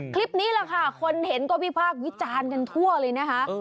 คลิปนี้แหละค่ะคนเห็นก็วิพากษ์วิจารณ์กันทั่วเลยนะคะ